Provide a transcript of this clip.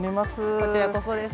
こちらこそです。